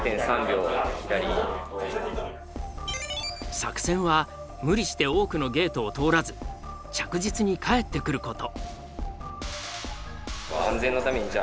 作戦はムリして多くのゲートを通らず着実に帰ってくること。